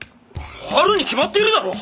あるに決まっているだろう！